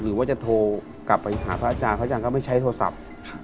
หรือว่าจะโทรกลับไปหาพระอาจารย์พระอาจารย์ก็ไม่ใช้โทรศัพท์